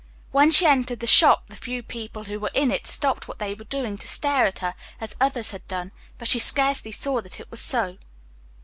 When she entered the shop the few people who were in it stopped what they were doing to stare at her as others had done but she scarcely saw that it was so.